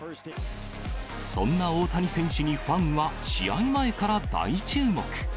そんな大谷選手にファンは、試合前から大注目。